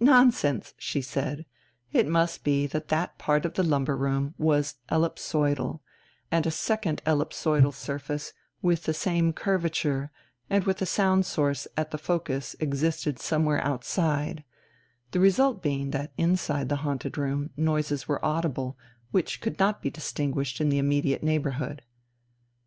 Nonsense, she said; it must be that that part of the lumber room was ellipsoidal, and a second ellipsoidal surface with the same curvature and with a sound source at the focus existed somewhere outside, the result being that inside the haunted room noises were audible which could not be distinguished in the immediate neighbourhood.